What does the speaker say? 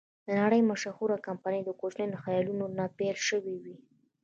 د نړۍ مشهوره کمپنۍ د کوچنیو خیالونو نه پیل شوې وې.